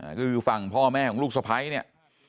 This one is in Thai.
ก็คือฝั่งพ่อแม่ของลูกสะพ้ายเนี่ย